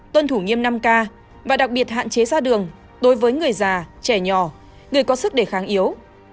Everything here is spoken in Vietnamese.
tuân thủ nghiêm năm k và đặc biệt hạn chế ra đường đối với người già trẻ nhỏ người có sức đề kháng yếu